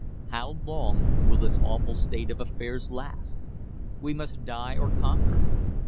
How long will this awful state of affairs last? We must die, or conquer.